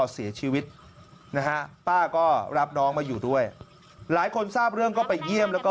เสียชีวิตนะฮะป้าก็รับน้องมาอยู่ด้วยหลายคนทราบเรื่องก็ไปเยี่ยมแล้วก็